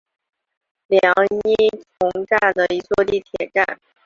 凉荫丛站的一座地铁站。